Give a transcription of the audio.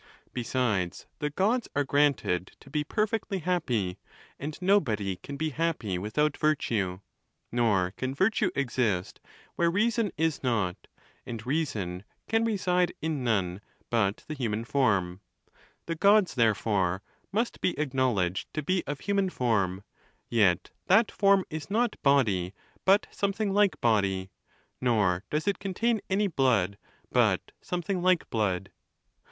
Besides, the Gods are granted to be perfectly happy ; and nobody can be\ happy without virtue, nor can virtue exist where reason is not; and reason can i eside in none but the human form;/ the Gods, therefore, must be acknowledged to be of hu man form ; yet that form is not body, but something like body ; nor does it contain any blood, but something like blood.